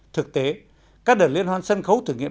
thực tế các đợt liên hoan sân khấu thử nghiệm